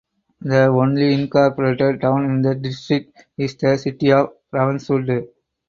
The only incorporated town in the district is the city of Ravenswood.